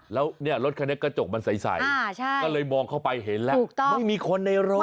แล้วเนี่ยรถคันนี้กระจกมันใสก็เลยมองเข้าไปเห็นแล้วไม่มีคนในรถ